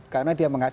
karena dia mengatakan